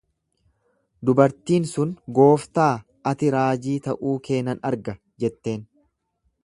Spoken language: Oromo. Dubartiin sun, Gooftaa, ati raajii ta'uu kee nan arga jetteen.